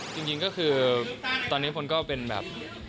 จริงก็คือตอนนี้คนก็เป็นแบบ